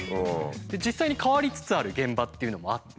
実際に変わりつつある現場っていうのもあって。